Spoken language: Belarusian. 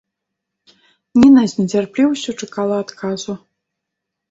Ніна з нецярплівасцю чакала адказу.